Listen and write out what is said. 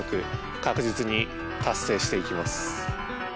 確実に達成していきます。